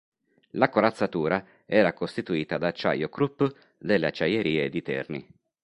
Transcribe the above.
La corazzatura era costituita da acciaio Krupp delle acciaierie di Terni.